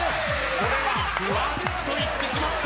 これはふわっといってしまった。